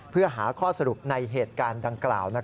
เพื่อหาข้อสรุปในเหตุการณ์ดังกล่าว